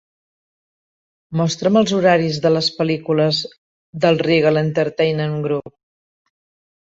Mostra'm els horaris de les pel·lícules del Regal Entertainment Group